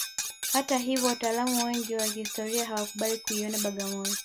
Hata hivyo wataalamu wengi wa historia hawakubali wakiiona Bagamoyo